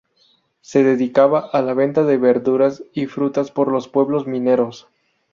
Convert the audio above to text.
Se dedicaba a la venta de verduras y frutas por los pueblos mineros.